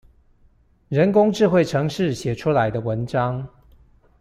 人工智慧程式寫出來的文章